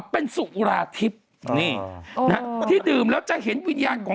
เพราะมีวิญญาณ